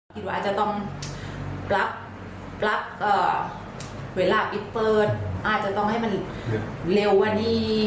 คิดว่าจะต้องรับเวลาไปเปิดอาจจะต้องให้มันเร็วกว่านี้